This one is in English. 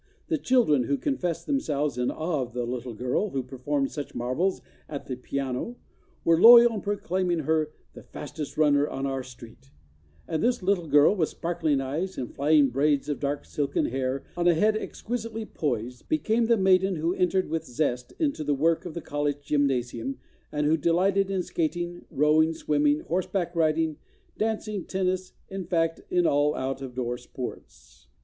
The children who confessed themselves in awe of the little girl who performed such marvels at the piano were loyal in proclaiming her "the fastest runner on our street," and this little girl with sparkling eyes, and flying braids of dark silken hair on a head exquisitely poised, 11 Introduction became the maiden who entered with zest into the work of the college gymnasium and who delighted in skating, row¬ ing, swimming, horse back riding, dancing, tennis, in fact, in all out of door sports.